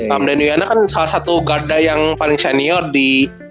hamdan uyana kan salah satu garda yang paling senior di